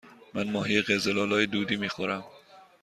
من ماهی قزل آلا دودی می خورم.